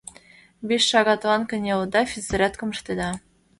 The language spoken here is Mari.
Вич шагатлан кынелыда, физзарядкым ыштеда.